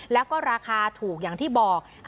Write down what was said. แล้วก็ราคาถูกอย่างที่บอก